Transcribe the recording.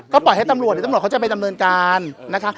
ก็ปล่อยให้ตำรวจเดี๋ยวตำรวจเขาจะไปเงินการนะคะ